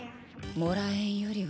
もらえんよりは。